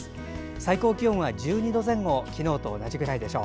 最高気温は１２度前後昨日と同じくらいでしょう。